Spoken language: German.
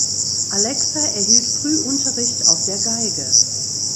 Alexa erhielt früh Unterricht auf der Geige.